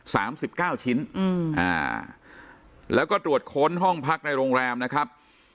สามสิบเก้าชิ้นอืมอ่าแล้วก็ตรวจค้นห้องพักในโรงแรมนะครับ